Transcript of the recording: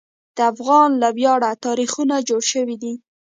د افغان له ویاړه تاریخونه جوړ شوي دي.